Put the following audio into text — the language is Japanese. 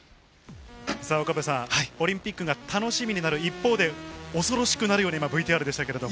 オリンピックが楽しみになる一方で、恐ろしくなるようなＶＴＲでしたけれども。